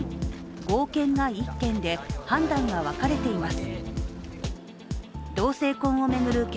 合憲が１件で判断が分かれています。